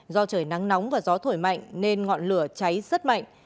do trời nắng nóng và gió thổi mạnh nên ngọn lửa cháy rất mạnh